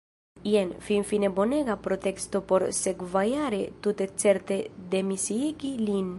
Jen – finfine bonega preteksto por sekvajare tute certe demisiigi lin.